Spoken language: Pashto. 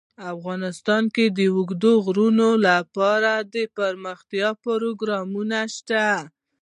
افغانستان کې د اوږده غرونه لپاره دپرمختیا پروګرامونه شته.